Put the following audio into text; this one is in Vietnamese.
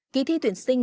kỳ thi tuyển sinh